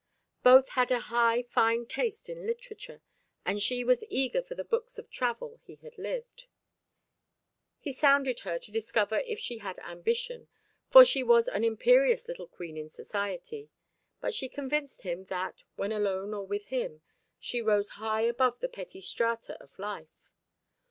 Both had a high fine taste in literature, and she was eager for the books of travel he had lived. He sounded her, to discover if she had ambition, for she was an imperious little queen in society; but she convinced him that, when alone or with him, she rose high above the petty strata of life.